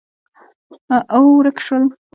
او، ورک شول